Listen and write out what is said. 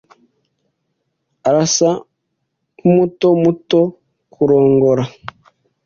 Arasa nkumuto muto kurongora.